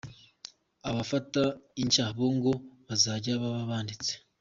Abafata inshya bo ngo bazajya baba banditse.